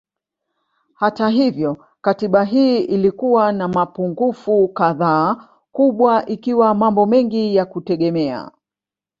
Hata hivyo Katiba hii ilikuwa na mapungufu kadhaa kubwa ikiwa mambo mengi ya kutegemea